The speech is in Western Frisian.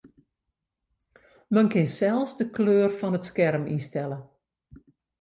Men kin sels de kleur fan it skerm ynstelle.